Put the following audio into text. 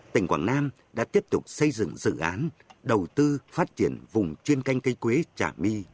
tỉnh quảng nam đã tiếp tục xây dựng dự án đầu tư phát triển vùng chuyên canh cây quế trà my